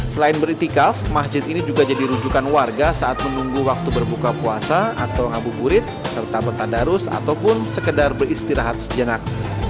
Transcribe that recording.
selain beriktikaf masjid ini juga jadi rujukan warga saat menunggu waktu berbuka puasa atau ngabuburit serta bertandarus ataupun sekedar beristirahat sejenak